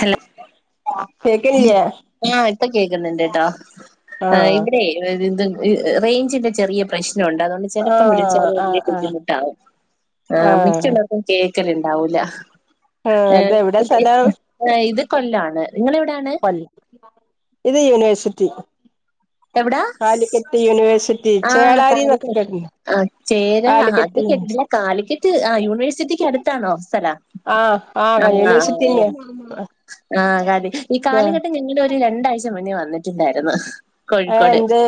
Hello കേക്ക്ന്നില്ലേ ആഹ്‌ ഇപ്പൊ കേക്കുന്നുണ്ട്ട്ടോ ആഹ് ഇവിടെ ഇത് റേയ്ഞ്ചിന്റെ ചെറിയ പ്രശ്നം ഉണ്ട് അതുകൊണ്ട് ചെലപ്പോം ആഹ് വിളിച്ചല് വലിയ ആഹ് ആഹ് ബുദ്ധിമുട്ടാാവുംആഹ് ആഹ് മിക്കവരും കേക്കല്ണ്ടാവൂല ആഹ് അതെവിടെ സ്ഥലം ഏഹ് ഇത് കൊല്ലം ആണ് നിങ്ങളെ എവിടെയാണ് കൊല്ലം ഏത് യൂണിവേഴ്സിറ്റി എവിടാ കാലിക്കറ്റ് യൂണിവേഴ്സിറ്റി ചേളാരിന്നൊക്കെ കേട്ടിട്ടുണ്ടോ ആഹ്‌ ചേരാ കാലിക്കറ്റ് അതൊക്കെട്ടില്ല യൂണിവേഴ്സിറ്റി കാലിക്കെറ്റ് ആഹ് യൂണിവേഴ്സിറ്റിക്ക് അടുത്താണോ സ്ഥലം ആഹ് അഹ് ആഹ് യൂണിവേഴ്സിറ്റിന്നെ ഓഹ്‌ ആ കതി ഈ ആഹ് കാലിക്കറ്റ് ഞങ്ങളുടെ ഒരു ഒരു രണ്ടാഴ്ച മുന്നേ വന്നിട്ടുണ്ടായിരുന്നു ഏഹ് കോഴിക്കോട് എന്ത്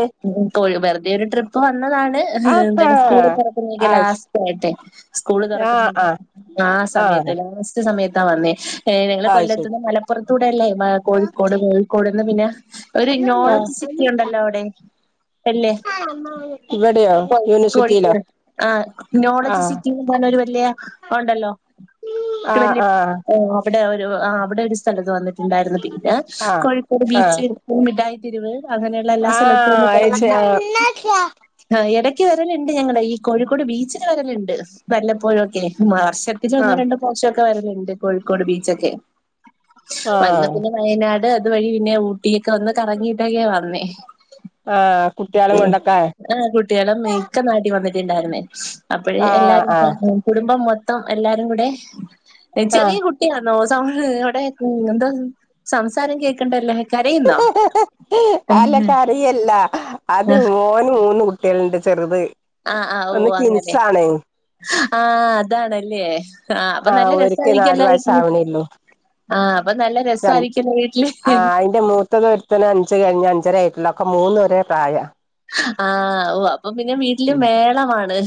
ഇപ്പോൾ വെറുതെ ഒരു ട്രിപ്പ് വന്നതാണ് ആഹാ എന്താണ് സ്കൂക്കള് തുറക്കുന്നതിന്റെ ആഹ് ശരി ലാസ്റ്റ് ആയിട്ട് സ്കൂൾ ആഹ് തുറക്കുന്നതിന്റെ ആഹ് മുമ്പ് ആ സമയത്ത് ആഹ് ലാസ്റ്റ് സമയത്താ വന്നേ ഏഹ്‌ നിങ്ങള് ആഹ് ശരി കൊല്ലത്ന്ന് മലപ്പുറത്തൂടെ അല്ലേ കോഴിക്കോട് കോഴിക്കോട്ന്ന് പിന്നെ ഒരു ആഹ് നോളജ് സിറ്റി ഉണ്ടല്ലോ അവിടെ അല്ലേ ഇവിടെയാ യൂനിവേഴ്സിറ്റിലോ ആഹ്‌ നോളജ് സിറ്റിന്ന് പറഞ്ഞൊരു വല്യ ഉണ്ടല്ലോ ആഹ്‌ ആഹ്‌ ആഹ്‌ അവിടെ ഒരു ആഹ് അവിടെ ഒരു സ്ഥലത്ത് വന്നിട്ടുണ്ടായിരുന്നു പിന്നെ ആഹ് കോഴിക്കോട് ആഹ് ബീച്ച് മിഠായി തെരുവ് അങ്ങനെയൊള്ള എല്ലാ സ്ഥലത്തു ഒന്ന് കറങ്ങി ആഹ് ആഹ്‌ എടയ്ക്ക് വരല്ണ്ട് ഞങ്ങള് ഈ കോഴിക്കോട് ബീച്ചില് വരല്ണ്ട് വല്ലപ്പോഴുവൊക്കെയെ മാർച്ചട് ടച്ചാ ഒന്നോ ആഹ് രണ്ടോ പ്രാവശ്യൊക്കെ വരല്ണ്ട് കോഴിക്കോട് ബീച്ചൊക്കെ വന്നാ ആഹ് പിന്നെ വയനാട് അതുവഴി പിന്നെ ഊട്ടിയൊക്കെ ഒന്ന് കറങ്ങീട്ടൊക്കെയാ വന്നേ ആഹ് കുട്ട്യേളേം കൊണ്ടൊക്കേ ആഹ് കുട്ടികളെ ഇക്ക നാട്ടി വന്നിട്ട്ണ്ടായിരുന്നേ അപ്പഴേ ആഹ് എല്ലാരും ആഹ് [unintelligible] കുടുംബം മൊത്തം എല്ലാരും കൂടെ ആഹ് ചെറിയ കുട്ട് ട്ടിയാന്നോ സൗണ്ട് അവിടെ ഉം എന്താ സംസാരം കേക്കണ്ടല്ലോ കരയുന്നോ അല്ലാ കരയല്ലാ അത് ആഹ് മോന് മൂന്ന് കുട്ട്യേള്ണ്ട് ചെറുത് ആഹ് ഒന്ന് ഓഹ് അങ്ങനെ ട്വിൻസാണ് ആഹ് അതാണല്ലേ ആഹ് അപ്പ നല്ല ഓര്ക്ക് നാല് രസായിരിക്കല്ലോ വീട്ടില് വയസ്സാവണേള്ളൂ ആഹ് അപ്പ നല്ല [unintelligible] രസായിരിക്കല്ലോ വീട്ടില് ആഹ് അയിന്റെ മൂത്തത് ഒര് ഒരുത്തന് അഞ്ച് കയിഞ്ഞ് അഞ്ചര ആയിട്ടില്ലാ അപ്പ മൂന്നും ഒരേ പ്രായാ ആഹ് ഓഹ് അപ്പ പിന്നെ വീട്ടില് മേളമാണ്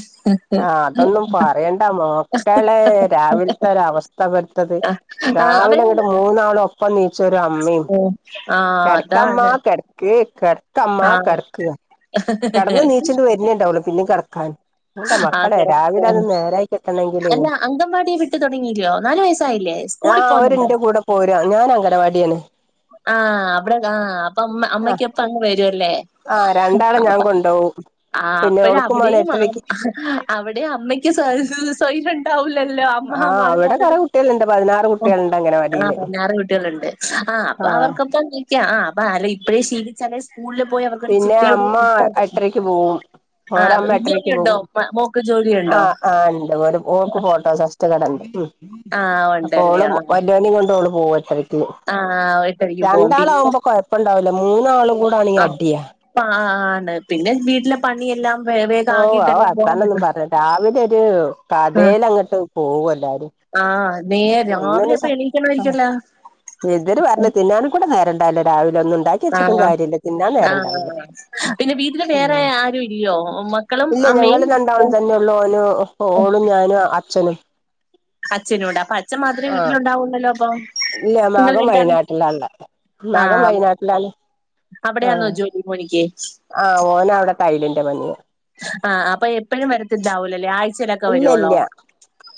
ആഹ് അതൊന്നും പറയണ്ടാ മോ ക്കളേ രാവിലത്തെ ഒരവസ്ഥ ഇവട്ത്തത് ആഹ് രാവിലെ അവര് അങ്ങട്ട് മൂന്നാളും ഒപ് പ്പം നീച്ചൊരമ്മയും ആഹ് കെടക്കമ്മാ അതാണ് കെട് ക്ക് കെടത്തമ്മാ ആഹ് കെടക്കാ കെടന്ന്ണീച്ച്ണ്ട് വെര്ന്നെ ഇണ്ടാവുള്ളു പിന്നേം കെടക്കാന് എന്റെ ആഹ് മക്കളെ രാവിലെ അത് കിടക്കാണ് നേരായി കിട്ടണെങ്കിലേ അല്ല അംഗൻവാടി വിട്ട് തുടങ്ങിയില്ലയോ നാല് വയസ്സായില്ലേ സ്കൂളിൽ ആഹ് പോകുന്നുണ്ടോ? ഓരെന്റെ കൂടെ പോരാ ഞാൻ അംഗനവാടിയാണ് ആഹ് അവിടെ ആഹ് അപ്പ അമ് ആഹ് അമ്മയ്ക്കൊപ്പം അങ്ങ് വരുവല്ലേ ആഹ് രണ്ടാളെ അപ്പ ഞാൻ കൊണ്ടോവും ആഹ് പിന്നെ ഓൾക്കും വേണം അപ്പഴവിടെയും ആഹ് എട്ടരക്ക് അവിടെയും അമ്മയ്ക്ക് സൊ എഹ് സെയിര്യം ഇണ്ടാ ഉണ്ടാവിലല്ലോ അമ്മ ആഹ് [unintelligible] അവിടെ കൊറെ കുട്ടികളുണ്ട് പതിനാറ് കുട്ടികളുണ്ട് ആഹ് അംഗനവാടിയില് പതിനാറു കുട്ടികള്ണ്ട് ആഹ് അപ്പ അവർക്കൊപ്പം നിക്കാം ആഹ് അപ്പ അല്ലേ ഇപ്പഴേ ശീലിച്ചാലേ സ്കൂളിൽ പോയി അവർക്കൊരു പിന്നെ ചിട്ടയോട് അമ്മ കൂടി നിക്കാലോ. എട്ടരക്ക് പോവും ആഹ് ഓരമ്മ ഏട്ടരയ്ക്ക് ജോലിയുണ്ടോ പോകും മ- മോക്ക് ജോലിയുണ്ടോ? ആഹ് ആഹ് ഇണ്ട് ഓര് ഓക്ക് ഫോട്ടോ സാ റ്റ് കടെണ്ട് ഉം ആഹ് അപ്പ ഉണ്ടല്ലേ ഓള് ആഹ് വല്യോനേം കൊണ്ട് ഓള് പോവും എട്ടെരെയ്ക്ക് വും ആഹ് എട്ടരക്ക് പോവും. പിന്നെ രണ്ടാളാവുമ്പോ കൊയപ്പം ഇണ്ടാവൂല്ലാ മൂന്നാളും കൂടാണീ അടി ആഹ് ആഹ് ആണ് പിന്നെ വീട്ടിലെ പണിയെല്ലാം വേ വേഗം ഓഹ് ആ ആക്കിയിട്ടല്ലേ പോകാൻ വർത്താനൊന്നും പറ്റു. പറയെണ്ടാ രാവിലെ ഒരു ആഹ് കഥേലങ്ങട്ട് പോവെല്ലാരും ആഹ് നേര് രാവിലെ അപ്പ എന്നീക്കണമായിരിക്കുവല്ലോ എന്തിര് പറഞ്ഞ് തിന്നാനും കൂടെ നേരം ഇണ്ടാവില്ല രാവിലെ ഒന്നും ഇണ്ടാക്കി ആഹ് ആഹ് പിന്നെ വീട്ടില് വേറെ ആരും ഇല്ലിയോ ഉമ്മാ ഇല്ലാ ഞങ്ങള് രണ്ടാളും തന്നെ ഒള്ളൂ ഓനും ഓളും ഞാനും അച്ഛനും അച്ചനും ഇണ്ട് അപ്പ അച്ഛൻ മാത്രേ ആ വീട്ടിലുണ്ടാവുള്ളല്ലോ അപ്പം ഇല്ല മകൻ വയനാട്ടിലാ ഇള്ളെ ആ മകൻ വയനാട്ടിലാണ് അവിടെയാന്നോ ജോലി മോനിക്ക് ആഹ് ഓനവിടെ ടൈലിന്റെ പണിയാ ആഹ് അപ്പ എപ്പഴും വരത്തിണ്ടാവൂലല്ലേ ആഴ്ചയിലൊക്കെ വരവൊള്ളോ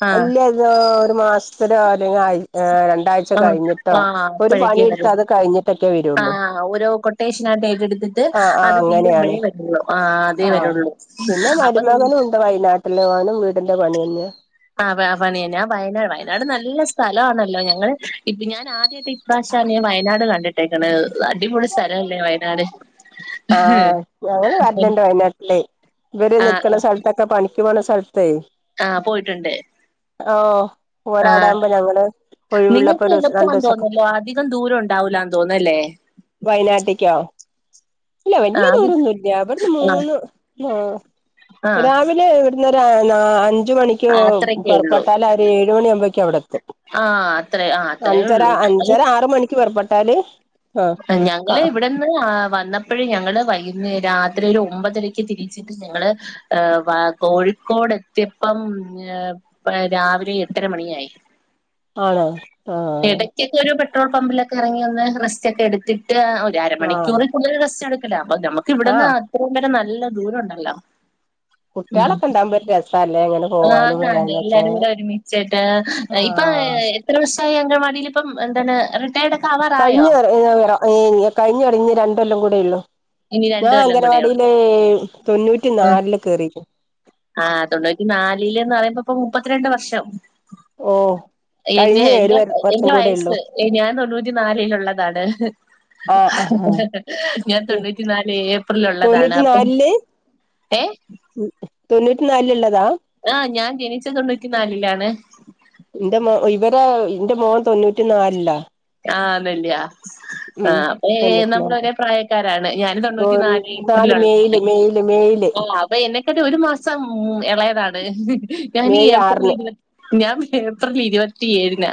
ആഹ് ലോ ഒരു മാസത്തിലോ അല്ലെങ്കി ആയ് ഏഹ് രണ്ടായ് ഴ്ച്ച ആ കഴിഞ്ഞിട്ടോ ആ ഇപ്പ ഒരു പണി അപ്പഴേക്കേ എടുത്താ വരൂ അത് കഴിഞ്ഞിട്ടൊക്കേ ആ വെരുവൊള്ളൂ ഓരോ കൊട്ടേഷൻ ആയിട്ട് ഏറ്റെടുത്തിട്ട് ആഹ് ആഹ് അത് അങ്ങനെയാണ് തീരുമ്പഴേ വരുള്ളൂ ആ അതേ ആഹ് വരുള്ളൂ പിന്നെ അപ്പൊ നി മരുമകനും വയനാട്ടിലെ ഓനും വീടിന്റെ പണി അന്നെയാ ആഹ് പ പണി അന്നെ ഞാ വയനാട് വയനാട് നല്ല സ്ഥലാണല്ലോ ഞങ്ങൾ ഇപ്പം ഞാൻ ആദ്യ ട്ട് ഇപ്രാശ്യണെ ഞാൻ വയനാട് കണ്ടിട്ടേക്കണ് അടിപൊളി സ്ഥലം അല്ലേ വയനാട് ആഹ് ഞങ്ങള് വരണണ്ട് വയനാട്ടിലേ ഇവര് ആ നിൽക്കണ സ്ഥലത്തൊക്കെ പണി ക്കു പോന്ന സ്ഥലത്തേ ആഹ് പോയിട്ടുണ്ട് ഓഹ് ആഹ് ഓരവിടാകുമ്പോ ഞങ്ങള് ഒഴിവുള്ളപ്പോ നിങ്ങക്ക് ഒരു എളുപ്പാന്ന് രണ്ടൂസൊക്കെ തോന്നല്ലോ അധികം ദൂരം ഉണ്ടാവൂല്ലാന്ന് തോന്നല്ലേ വയ്നാട്ട്ക്യോ? ഇല്ല ആ വല്യ അത് ദൂരൊന്നുംല്ല ഇവിട്ന്ന് മൂന്ന് ആഹ് ആ രാവിലെ. ഇയൊരു ആ നാ അഞ്ച് മണി. ക്ക് ആ അത്രയൊക്കെ ഉള്ളൂ. പൊർപ്പെട്ടാല് അവര് ഏഴ് മണി ആവുമ്പോക്കും അവ്ടെത്തും. ആ അത്രേ ആ അത്രേ അഞ്ചര ഉള്ളൂ. ഞങ്ങള് അഞ്ചര ആറ് മണിക്ക് പൊർപ്പെട്ടാല്. ആ ഞങ്ങള് ഇവിടെ. ഇന്നലെ ഞാ വന്നപ്പൊഴ് ഞങ്ങള് വൈകുന്നേ രാത്രിൽ ഒമ്പതരക്ക് തിരിച്ചിട്ട് ഞങ്ങള്. ഏഹ് വ കോഴിക്കോട് എത്തിയപ്പം ഏഹ്. പ് രാവിലെ എട്ടര മണിയായി. ആണോ ആഹ്. ഇടയ്ക്കൊക്കെ ഒരു പെട്രോൾ പമ്പിലൊക്കെ എറങ്ങി ഒന്ന് റെസ്റ്റൊക്കെ എടുത്തിട്ട് ഒര് ആഹ് അരമണിക്കൂർ. കൂടുതൽ റെസ്റ്റ് എടുക്കലാ അപ്പൊ നമുക്ക് ആഹ് ഇവിട്ന്ന് അത്രേം നേരം നല്ല ദൂരം ഉണ്ടല്ലോ. ഉം കുട്ടികളൊക്കെ ഉണ്ടാകുമ്പോ ഒരു രസല്ലേ അങ്ങനെ പോവാനും ഹാങ്ങാവ്ണ് വരാനൊക്കെ എല്ലാരും കൂടെ ഒരുമിച്ചിട്ട്. ഏഹ് ഇപ്പ ആഹ് എത്ര ദിവസായി അങ്കൽവാടിൽ ഇപ്പം എന്താണ് റി കഴിഞ്ഞറെ ഏഹ് എറ ഏഹ് കയ്ഞ്ഞട് ഇനി രണ്ടൊല്ലം കൂടെ ഉള്ളു. ഇനി രണ്ട് ഞാൻ കൊല്ലം കൂടെ ഉള്ളൂ. അംഗനവാടിയില് തൊണ്ണൂറ്റി നാലില് കേറിക്ണ്. ആ തൊണ്ണൂറ്റി നാലില്ന്ന് പറിയുമ്പോ ഇപ്പൊ മുപ്പത്തിരണ്ട് വർഷം. ഓ എൻ കഴിഞ്ഞ ഏഴ് എന്റെ വർഷം എന്റെ കൂടെ ഉള്ളു വയസ്സ്. ഏഹ് ഞാൻ തൊണ്ണൂറ്റി നാലിലുള്ളതാണ്. ആഹ് ആഹ് ഞാൻ തൊണ്ണൂറ്റി നാല് ഏപ്രിൽ ഉള്ളതാണ് തൊണ്ണൂറ്റി അപ്പം. ഏഹ് ഉം തൊണ്ണൂറ്റി നാലിൽ ഉള്ളതാ. ആ ഞാൻ ജനിച്ച് തൊണ്ണൂറ്റി നാലിലാണ്. എന്റെ മോ ഇവരെ എന്റെ മോൻ തൊണ്ണൂറ്റി നാൽലാ. ആഹ് അതല്ലിയാ ആ അപ്പൊ ഏഹ് തൊണ്ണൂറ്റിനാല് നമ്മളൊരേ പ്രായക്കാരാണ് ഞാന് തൊണ്ണൂറ്റി നാല് ഏപ്രിൽലുള്ളതാണ്. ല്ല മെയ് ആ അപ്പൊ എന്നെക്കാട്ട് ഒരു മാസം ഉം എളയതാണ് ഞാനീ മെയ് ഏപ്രിൽ ആറിന് ഇരുവ ഞാൻ ഏപ്രിൽ ഇരുവത്തിഏഴിനാ.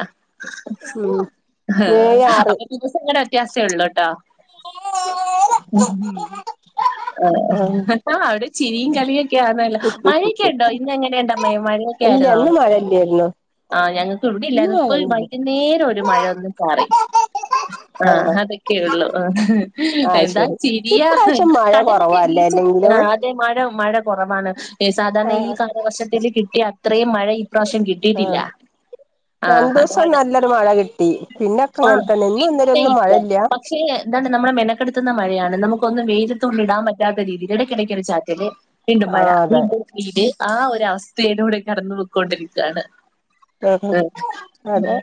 ഉം അഹ് മെയ് ആറ് അപ്പൊ ദിവസങ്ങളെ വ്യത്യാസെ ഒള്ളുട്ടാ. ഉം ആഹ്. അവിടെ ചിരിയും കളിയൊക്കെ ആന്നല്ലോ മഴയൊക്കെ ഉണ്ടോ ഇന്ന എങ്ങനെയുണ്ടമ്മേ മഴയൊക്ക ആര്ന്നോ? ഇപ്പ [unintelligible] ആഹ് ഞങ്ങക്ക് ഇവിടെ ഇല്ലായിരുന്നു ഇപ്പൊരു വൈകുന്നേരം ഒരു മഴയൊന്നു ചാറി. ആഹ് അതൊക്കെ ഉള്ളു അഹ് എന്താ ചിരിയാ. ഇപ്പ മഴ കടലൊക്കെ കൊറവാല്ലേ ബീച്ച് അല്ലെങ്കിലും. ആഹ് അതെ മഴ മഴ കൊറവാണ് സാധാരണ ഈ ആഹ് കാലവർഷത്തില് കിട്ടിയ അത്രയും മഴ ഇപ്രാവ്ശ്യം കിട്ടിയിട്ടില്ല ആഹ് രണ്ടൂസം അതാണ്. നല്ലൊരു മഴ കിട്ടി പിന്നെ ഒക്കെ ഇങ്ങൻ ആഹ് തന്നെ ഇന്നും പിന്നെ ഇന്നലിയൊന്നും ഇല്ല. മഴയില്ല പക്ഷേ എന്താണ് നമ്മുടെ മെനക്കെടുത്തുന്ന മഴയാണ് നമുക്കൊന്നും വെയിലത്ത് കൊണ്ട് ഇടാൻ പറ്റാത്ത രീതിയിൽ. ഇടക്കെടക്കൊരു ചാറ്റല് വീണ്ടും മഴ ആഹ് അതെ വീണ്ടും വീട് ആ ഒരു അവസ്ഥയിലൂടെ കടന്നു പോയിക്കൊണ്ടിരിക്കാണ് ആഹ് ആഹ് അതെ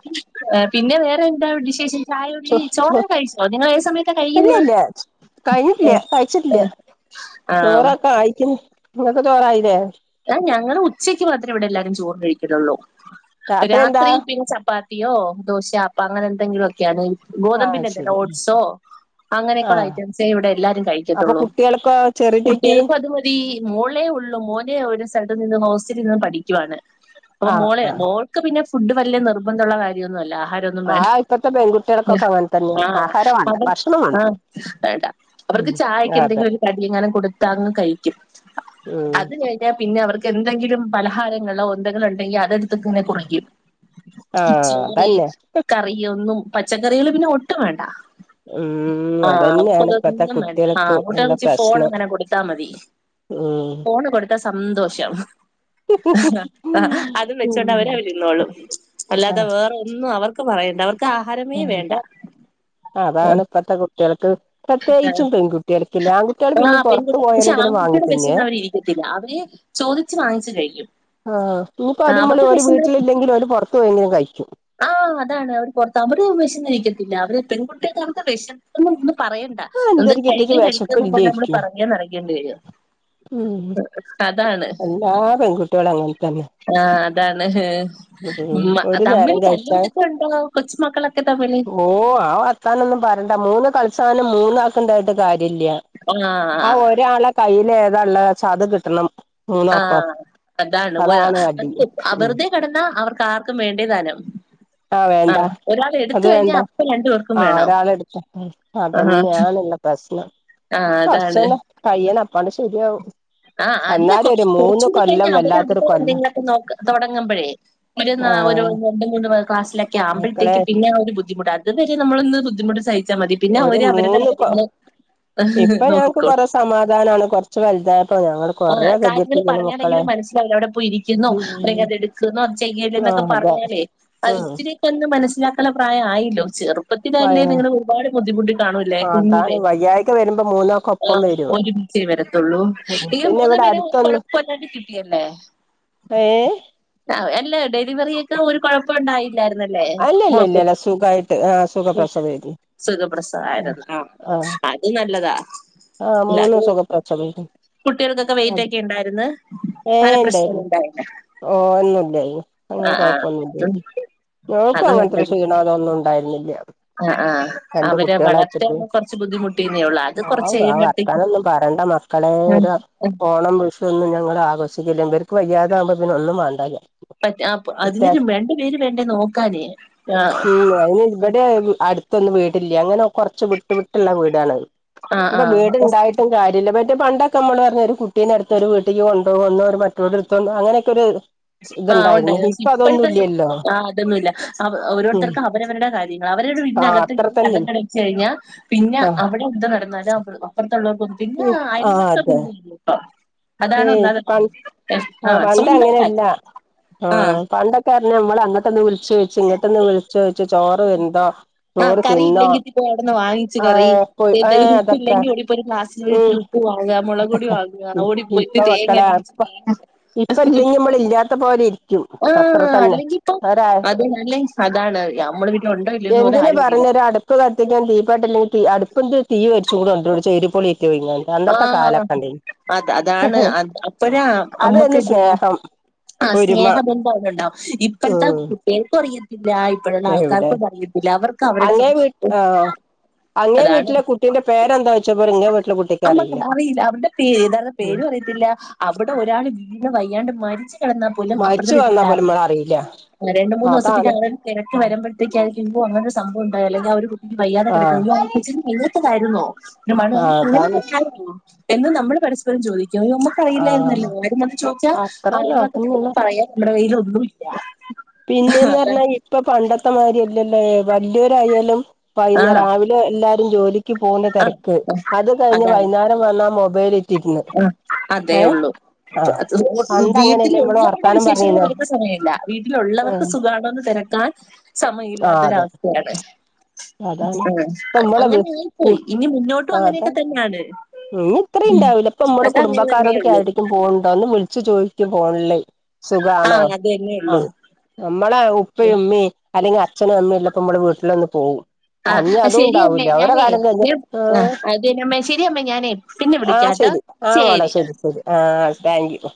ആഹ് പിന്നെ വേറെ എന്താവ്ടെ വിശേഷം ചായുടി ചോ ചോ ചോറൊക്കെ കഴിച്ചോ നിങ്ങൾ ഏത് സമയത്താ കഴിക്കുന്നേ കയിഞ്ഞിട്ടില്ല കയ്ച്ചിട്ടില്ല ആഹ് ചോറൊക്കെ ആയ്ക്ക്ന്ന് ഇങ്ങക്ക് ചോറായില്ലേ ആഹ്ഞങ്ങള് ഉച്ചയ്ക്ക് മാത്രേ ഇവിടെ എല്ലാരും ചോറ് കഴിക്കലുള്ളൂ രാത്രി പിന്നെ ചപ്പാത്തി യോ ദോശാപ്പ അങ്ങനെ എന്തെങ്കിലു ഒക്കെയാണ് ആഹ് ഗോതമ്പിന്നെന്തോ ശരി ഒട്ട്സോ അങ്ങനെയൊക്കെള്ള ആഹ് ഐറ്റംസെ ഇവ്ടെ എല്ലാരും അപ്പൊ കഴിക്കത്തുള്ളൂ കുട്ടികൾക്കോ ചെറിയറ്റക്ക് കുട്ടികൾക്കും അത്പോലെ ഈ മോളെ ഉള്ളു മോനെ ഒരു സൈഡി നിന്ന് ഹോസ്റ്റലിൽ നിന്ന് പഠിക്കുവാണ് അപ്പൊ ആഹ് മോൾ ആഹ് മോൾക്ക് പിന്നെ ഫുഡ് വലിയ നിർബന്ധുള്ള കാര്യൊന്നു അല്ല ആഹാരൊ ഒന്നും വേണ്ട ആഹ് ഇപ്പത്തെ പെൺകുട്ടികൾക്കൊക്കെ അങ്ങനെ തന്നെ ആഹ് ആഹാരം വേണ്ട അതെ ഭക്ഷണം വേണ്ട ആഹ് വേണ്ടാ അവർക്ക് ഉം ചായക്ക് അതെ എന്തെങ്കിലും ഒരു കടി എങ്ങനെ കൊടുത്താങ്ങ് കഴിക്കും ഉം അത് കഴി ഞ്ഞാ പിന്നവർക്ക് എന്തെങ്കിലും പലഹാരങ്ങളോ എന്തെങ്കിലും ഉണ്ടെങ്കി അത് ടുത്തിക്കിങ്ങനെ കുറിക്കും ആഹ് ചോറ് അതന്നെ കറി യൊന്നും പച്ചക്കറികൾ പിന്നെ ഒട്ടും വേണ്ട ഉം ആഹ് അതന്നെയാണ് ഇപ്പത്തെ അവർക്കതൊന്നും വേണ്ട ആഹ് കുട്ടികൾക്ക് ഉള്ള അങ്ങോട്ടന്ന് വച്ച് ഫോൺ പ്രശ്നം അങ്ങനെ കൊടുത്താ മതി ഉം ട്ടാ സന്തോഷം അതും വെച്ചോണ്ട് ഉം അവരെ അവരവരിന്നോള്ളും അല്ലാതെ ആഹ് വേറൊന്നും അവർ ക്ക്‌ പറയണ്ട അവർ എന്റത് അതാണ് ഇപ്പത്തെ കുട്ടികൾക്ക് ആഹ് പ്രത്യേകിച്ചും പെൺകുട്ടികൾക്കില്ലേ ആൺകുട്ടികൾ പിന്നെ ആഹ് പുറത്ത് പെൺകുട്ടി പക്ഷെ പോയാലെങ്കിലും വാങ്ങി ആൺകുട്ടികള് തിന്നുവേ വെഷന്ന അവരിരിക്കത്തില്ല അവര് ചോദിച്ച് വാങ്ങിച്ച് കഴിക്കും ആഹ് ഇനിയിപ്പോ അത്പോലെ ആഹ് തൂക്ക ആ, അതുമണ് അവർക്ക് ഒരു വിശന്ന് വീട്ടിലില്ലെങ്കിലും ഓല് പൊറത്ത് പോയെങ്കിലും കയിക്കും ആഹ് അതാണ് അവര് പൊറത്ത് അവര് വിശന്ന് ഇരിക്കത്തില്ല അവര് പെൺകുട്ടിയൊക്കവർക്ക്‌ വെശക്കുന്ന് ഒന്ന് പറയ ണ്ട ആഹ് അതുകൊണ്ട് എന്തേലും കിട്ടിക്ക് കഴിക്ക്‌ വിശപ്പ് കഴിക്ക്ന്ന് പറഞ്ഞ് നമ്മള് ഇല്ലേരിക്കും പെറകേ നടക്കേണ്ടി വരും ഉം അതാണ് എല്ലാ പെൺകുട്ടികളും അങ്ങനെത്തന്നെ ആഹ് അതാണ് ഉമ്മ ഒരു നേരം തമ്മില് കഴിച്ചാ തല്ലുപിടത്തൊണ്ടോ കൊച്ചുമക്കളൊക്കെ തമ്മില് ഓ ആഹ് ആക്കാനൊന്നും പറയണ്ട മൂന്ന് കളിസാനം മൂന്നാക്കൊണ്ടായിട്ട് കാര്യല്ല ആ ആഹ് ഒരാളെ കയ്യില് ഏതാ ഉള്ളെന്ന് വെച്ച അത് കിട്ടണം മൂന്നാക്കോ ആഹ് അതാണ് വെ അഹ് ഉം വെറുതെ കെടന്ന അവർക്ക് ആർക്കും വേണ്ടേ താനും ആഹ് വേണ്ട അത് വേണ്ട അപ്പൊ രണ്ടു പേർക്കും ആഹ് വേണം ഒരാള് എടുത്ത ആഹാ അതന്നെയാണല്ലോ പ്രശ്നം ആഹ് അതാണ് കൊറച്ചന്നെ കഴിയണം അപ്പാണ്ട് ശരിയാവും ആഹ് അല്ല എന്നാലും ഒരു കൊറച്ച് മൂന്ന് കൊറച്ചൂടി കൊല്ലം കഴിഞ്ഞാ അവര് അവിടെ വല്ലാത്തൊരു കൊല്ലം കാര്യങ്ങളൊക്കെ നോക്ക്‌ തൊടങ്ങുമ്പഴേ ഇവിട്ന്നാ ആ ഓരോന്ന് രണ്ട് മൂന്ന് ക്ലസിലക്കെ മക്കളെ ആമ്പഴത്തേക്ക്‌ പിന്നെ ഒരു ബുദ്ധിമുട്ട് അതു വരെ നമ്മളൊന്ന് ബുദ്ധിമുട്ട് സഹി ച്ചാ മതി പിന്നെ ഒരു അവര് അവരുടെ മൂന്ന് കൊ കാര്യങ്ങള് ഇപ്പൊ ഞങ്ങക്ക് നോക്കിക്കോളും കൊറെ സമാധാനാണ് കൊറച്ച് വലുതായപ്പോ ഞങ്ങളും കാര്യങ്ങള് പറഞ്ഞാലെങ്കിലും മനസ്സിലാവില്ല അവിടെ പോയി ഇരിക്കുന്നോ ഉം അല്ലെങ്കി അത് എടുക്കുന്നോ അത് ആ ചെയ്യല്ലേന്നൊക്കെ അതെ പറഞ്ഞാലേ അയ് ഉം ഇത്തിരിയൊക്കെ ഒന്ന് മനസ്സിലാക്കുള്ള പ്രായ ആയില്ലോ വയ ചെറുപ്പത്തിലല്ലേ നിങ്ങള് ഒരുപാട് ബുദ്ധിമുട്ട് കാണൂല്ലേ അതാണ് കുഞ്ഞിലേ വയ്യായിക വരുമ്പോ മൂന്നാക്കൊപ്പം ആഹ് വരും ഒരുമിച്ചേ വരത്തുള്ളൂ ഈ പിന്നെ മൂന്ന് ഇവിടെ പേരെയും ഒരു അടുത്തൊന്നും കൊഴപ്പല്ലാണ്ടി കിട്ടിയല്ലേ ഏ ആഹ് അല്ല ഡെലിവറി ഒക്കെ ഒരു കൊഴപ്പൊണ്ടായില്ലായിരുന്നല്ലേ മോൾക്ക് അല്ലല്ലല്ലല്ല സുഖായിട്ട് ആ സുഖപ്രസവേര്ന്നു സുഖപ്രസവായിരുന്ന് ആ അത് നല്ലതാ ആഹ് അല്ല അത് മൂന്നും സുഖ പ്രസവേനി കുട്ടികൾക്കൊക്കെ വെയിറ്റ് ഒക്കെ ഉണ്ടായിരുന്ന് ഏഹ് അങ്ങനെ പ്രശ്നമൊന്നും ഇണ്ടായിരുന്നു ഉണ്ടായില്ല. ഓ എന്നുല്ലായിരുന്നു അങ്ങനെ ആഹ് ആഹ് അത് കൊഴപ്പൊന്നുയില്ലായിരുന്നു ഞങ്ങക്കു അത് അങ്ങൻത്തൊരു ക്ഷീണോ അതൊന്നും ഉണ്ടായിരുന്നില്ല്യാ അഹ് ആഹ് അവരെ വളർത്താന് കൊറച്ച് ബുദ്ധിമുട്ടീന്നേ ഉള്ളൂ അത് കുറച്ച് ആവു ആ കഴിയുമ്പഴത്തേക്കും വർത്താനൊന്നും പറണ്ട മക്കളേ ഉം ഒരു ഉം ഓണം വിഷു ഒന്നും ഞങ്ങള് ആഘോഷിക്കില്ലേ ഇവർക്ക് വയ്യാതാവുമ്പോ പിന്നെ ഒന്നും വേണ്ടായി പ്പത്തെ ആപ്പ് അതിനൊരു രണ്ടു പേര് വേണ്ടേ നോക്കാനേ ആഹ് ഉം അയിന് ഇവിടെ അടുത്തൊന്നും വീടില്ല അങ്ങനെ കൊറച്ച് വിട്ട് വിട്ടുള്ള വീടാണ് ആഹ് ഇപ്പൊ ആഹ് വീടുണ്ടായിട്ടും കാര്യല്ല ഇവ പണ്ടൊെക്കമ്മള് പറഞ്ഞ ഒരു കുട്ടീനടുത്തൊരു വീട്ടിക്ക് കൊണ്ടോവൊ വന്നോ മറ്റോരു എടുത്തോണ്ട് അങ്ങനെയൊക്കെ ഒര് ആഹ് ഉണ്ടായി പക്ഷെ ഇപ്പഴത്തങ്ങ് ആഹ് അതൊന്നുയില്ല അവ ഉം ഓരോരുത്തർക്ക് അവരവരുടെ കാര്യങ്ങൾ അവരവരടെ ആ വീട്ടിനകത്ത് അത്ര ഇരുന്ന് തന്നെ കതകടിച്ചു കഴിഞ്ഞാ പിന്നെ ആഹ് അവിടെ എന്ത് നടന്നാലും അ അപ്പറത്തള്ളവർക്ക പിന്നെ ആ അയൽവക്ക അതെ ബന്ധം ഇല്ലപ്പം അതാണ് ഏയ് ഒന്നാമത്തെ പ കാര്യം ആ സ്വന്തം കാര്യം ആഹ് പണ്ടൊക്കെർഞമ്മള് അങ്ങോട്ടൊന്ന് വിൾചോയിച്ച് ഇങ്ങോട്ടൊന്ന് വിൾചോ ച്ച് ചോറ് വെന്തോ ആഹ് ചോറ് കറി തിന്നോ ഇല്ലെങ്കിൽ പിന്നെ അവിടുന്ന് വാങ്ങിച്ച് ആ അതൊക്കെ. ഇപ്പ ഒരു ഗ്ലാസ്സ്ല് ഉം ഇത്തിരി ഉപ്പ്‌ വാങ്ങാ മുളകൊടി വാങ്ങ ഓടിപ്പോയിട്ട് ഇപ്പൊ തേങ്ങ മക്കളെ ഇപ്പ ഇപ്പ അരച്ച് ഇല്ലെങ്കി നമ്മൾ ഇല്ലാത്ത പോലെ ഇരിക്കും അത്ര ആഹ് തന്നെ അല്ലെങ്കി ഇപ്പ ഒരാ അതന്നല്ലെ അതാണറിയാം നമ്മളെ വീട്ടില് ഒണ്ടോ ഇല്ല്യോന്ന് പോലും ആരും അറിയില്ല പ്പ് കത്തിക്കാൻ തീപട്ടില്ലേയ്റ്റ് അടുപ്പന്ത് തീ കരിച്ചൂട് കണ്ടോയിണ് ചേരിപ്പൊളിയേറ്റ് പോയിങ്ങാണ്ട് അന്നത്തെ ആഹ് കാലക്കെണ്ടേനി അത് അതാണ് അത് അപ്പഴ അതായിരുന്നു അമ്മക്ക് സ്നേഹം ആഹ് ഒരുമ സ്നേഹ ബന്ധവിടുണ്ടാവും ഇപ്പഴത്തെ ഉം കുട്ട്യേക്കു അറിയത്തില്ല ഇപ്പഴുള്ള എവിടെ ആൾക്കാർക്കും അറിയത്തില്ല അവർക്ക് അവരുടെ അങ്ങേ വീ സുഖം അതാണ് പിന്നെ പേരെന്തായ്ച്ച പറിം ഇന്നേ വീട്ടിലെ കുട്ടി നമ്മക്കും അറിയില്ല അവരുടെ പേ യഥാർത്ഥ പേരു അറി യത്തില്ല അവിടെ ഒരാള് വീണ് വയ്യാണ്ട് മരിച്ചു കിടന്ന പോലും അപ്പർത്തെ മരിച്ചു വന്നാ വീട്ടിൽണ്ടായി പോലും ഇമ്മള് അറിയില്ല അറീല രണ്ട് മൂന്ന് ദിവസത്തെക്ക്‌ അതാണ് ആളള് തിരക്ക് വരമ്പ ത്തേക്കായിരിക്കും ഓ അങ്ങനൊര് സംഭവം ഉണ്ടായല്ലോ ഞാൻ ഒര് വയ്യാതെ കെടക്കുന്നോ ആഹ് അയ്യോ ആ കൊച്ചിന് വയ്യാത്തതായിരുന്നോ ആഹ് അങ്ങനെ അതാണ് ഉം എന്ന് നമ്മള് പരസ്പരം ചോദിക്കോ അയ്യോ അമ്മ ക്കറിയില്ലായിരുന്നല്ലോ ആഹ് ആരും വന്ന് ചോദിച്ചാ അത്രന്നെ അതന്നെള്ളു അയൽവക്കത്തത് പറയാൻ നമ്മടെ കയ്യിലൊന്നുല്ല പിന്നേന്ന് പറഞ്ഞാ ഇപ്പ പണ്ടത്തെ മാരിയല്ലല്ലോ വല്ല്യോരായാലും ആ വൈന്നേരം രാ വിലെ എല്ലാരും ജോലിക്ക് പോന്ന ആ തെരക്ക് ആ, അത് കഴിഞ്ഞ് വൈന്നേരം വന്നാ മൊബൈലിൽ ആഹ് അതേ ഉള്ളൂ ആ പണ്ട് അങ്ങനെയല്ലേ നമ്മള് വീട്ടിലെല്ലാവര്ടെയും വർത്താനം വിശേഷങ്ങള് പറഞ്ഞിരുന്നോ കേക്കാൻ സമയല്ല വീട്ടിലുള്ളവർക്ക് സുഖാണോന്ന തിരക്കാൻ ആ അതെ സമയല്ലാത്തൊരവസ്ഥയാണ് അതാണ് ആഹ് ഇപ്പ നമ്മളെ അങ്ങനെ ആയിപ്പോയി ഇനി മുന്നോട്ടും അങ്ങനെയക്കെ തന്നാണ് ഇഞ്ഞി ഇത്രയും ഉണ്ടാവില്ല ഇപ്പൊ നമ്മള് തന്നെ കുടുംബക്കാരോടക്ക ഉള്ളൂ ആരൊടെക്കും പോവ്ണ്ടോ ഒന്ന് വിളിച്ചു ചോദിക്കും ഫോണില് ആ സുഖാണോ അത് തന്നെ ഉള്ളൂ ആഹ് നമ്മളെ ഉപ്പയും ഉമ്മയും അല്ലെങ്കി അച്ഛനും അമ്മയും ഉള്ളപ്പോ നമ്മള് വീട്ടിലൊന്ന് പോവും ആ [unintelligible] ആ, അതും ശരി അമ്മേ ഉണ്ടാവൂല അവരെ ഞാനേ കാലം കഴിഞ്ഞാ ദേ, ആഹ് [unintelligible] ആഹ് ശെരി ആഹ് മോളെ ശരി ശരി ആഹ് താങ്ക്യൂ